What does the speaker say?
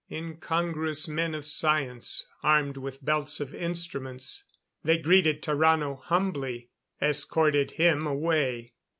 Incongruous men of science, armed with belts of instruments. They greeted Tarrano humbly; escorted him away.